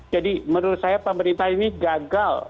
jadi menurut saya pemerintah ini gagal